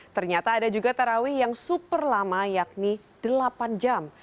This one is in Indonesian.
ternyata ada juga tarawih yang super lama yakni delapan jam